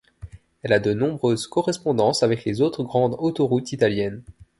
Elle a de nombreuses correspondances avec les autres grandes autoroutes italiennes.